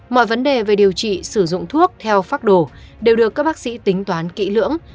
mọi vấn đề về điều trị sử dụng thuốc theo phác đồ đều được các bác sĩ tính toán kỹ lưỡng